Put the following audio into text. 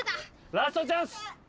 ラストチャンス。